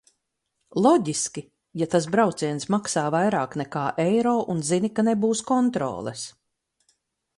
Loģiski, ja tas brauciens maksā vairāk nekā eiro un zini, ka nebūs kontroles...